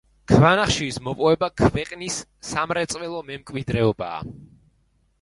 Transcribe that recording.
ქვანახშირის მოპოვება ქვეყნის სამრეწველო მემკვიდრეობაა.